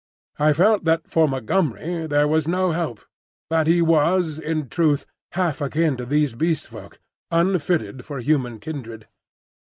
I felt that for Montgomery there was no help; that he was, in truth, half akin to these Beast Folk, unfitted for human kindred.